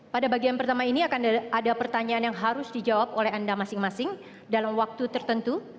pada bagian pertama ini akan ada pertanyaan yang harus dijawab oleh anda masing masing dalam waktu tertentu